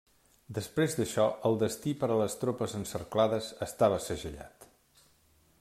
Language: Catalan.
Després d'això, el destí per a les tropes encerclades estava segellat.